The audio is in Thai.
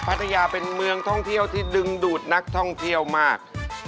พัทยาเป็นเมืองท่องเที่ยวที่ดึงดูดนักท่องเที่ยวมาก